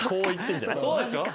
そうでしょ？